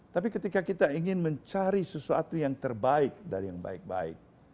tapi ketika kita ingin mencari sesuatu yang terbaik dari yang baik baik